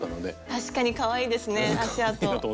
確かにかわいいですね足あと。